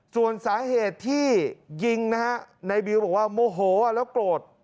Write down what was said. ส่วนสาเหตุที่ยิงนะฮะนายบิวบอกว่าโมโหแล้วโกรธ